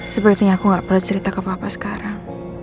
sepertinya aku gak pernah cerita ke papa sekarang